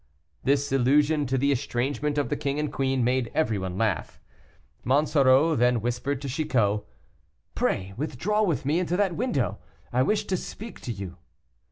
This illusion to the estrangement of the king and queen made everyone laugh. Monsoreau then whispered to Chicot, "Pray withdraw with me into that window, I wish to speak to you."